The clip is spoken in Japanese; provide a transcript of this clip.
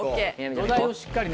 土台をしっかりね